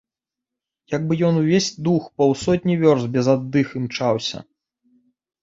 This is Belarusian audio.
Як бы ён на ўвесь дух паўсотні вёрст без аддыхі імчаўся?